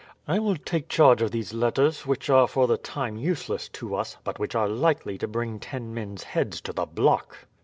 I will take charge of these letters, which are for the time useless to us, but which are likely to bring ten men's heads to the block."